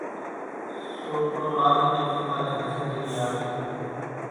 سوڪرو لاڏِي نين پوتا نين گھرين تيڙي آوشي